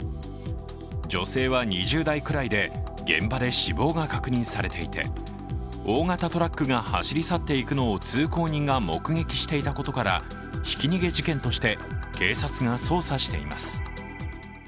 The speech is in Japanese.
女性は２０代くらいで、現場で死亡が確認されていて大型トラックが走り去っていくのを通行人が目撃していたことからひき逃げ事件として、警察が捜査しています。